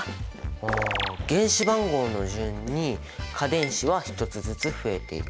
ああ原子番号の順に価電子は１つずつ増えていく。